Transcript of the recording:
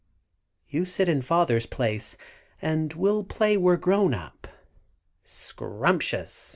You sit in Father's place, and we'll play we're grown up." "Scrumptious!"